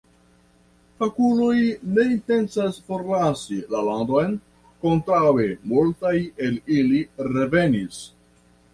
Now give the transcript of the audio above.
Fakuloj ne intencas forlasi la landon, kontraŭe multaj el ili revenis.